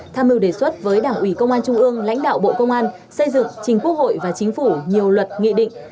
tham mưu đề xuất với đảng ủy công an trung ương lãnh đạo bộ công an xây dựng trình quốc hội và chính phủ nhiều luật nghị định